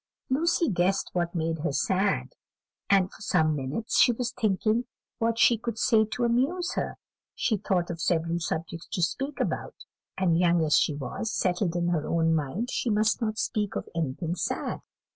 Lucy guessed what made her sad, and for some minutes she was thinking what she could say to amuse her; she thought of several subjects to speak about; and, young as she was, settled in her own mind she must not speak of anything sad.